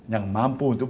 yang mampu untuk